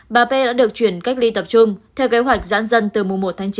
bà p đã được chuyển cách ly tập trung theo kế hoạch giãn dân từ mùa một tháng chín